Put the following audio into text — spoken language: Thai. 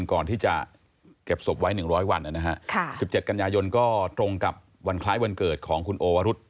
ก่อนที่จะเก็บศพไว้หนึ่งร้อยวันนะฮะค่ะสิบเจ็ดกันยายนก็ตรงกับวันคล้ายวันเกิดของคุณโอวรุธ